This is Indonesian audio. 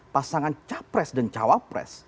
pasangan cawapres dan cawapres